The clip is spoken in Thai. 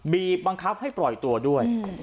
บีบบังคับให้ปล่อยตัวด้วย